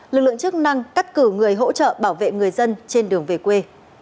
lực lượng chức năng cắt cử người hỗ trợ bảo vệ người dân trên đường về quê